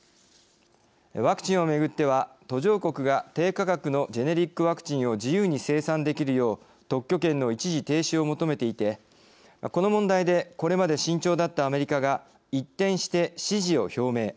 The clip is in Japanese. ワクチンをめぐっては途上国が低価格のジェネリックワクチンを自由に生産できるよう特許権の一時停止を求めていてこの問題でこれまで慎重だったアメリカが一転して支持を表明。